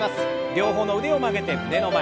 両方の腕を曲げて胸の前。